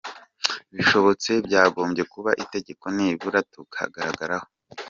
Bishobotse, byagombye kuba itegeko, nibura tukakageraho.